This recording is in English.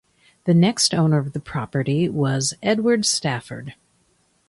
The next owner of the property was Edward Stafford.